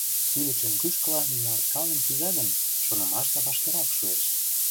Ӱлычын кӱшкыла ниялткален кӱза гын, шонымашда вашкерак шуэш.